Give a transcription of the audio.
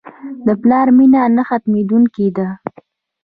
د پلار مینه نه ختمېدونکې ده.